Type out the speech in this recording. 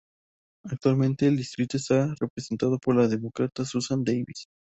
Actualmente el distrito está representado por la Demócrata Susan Davis.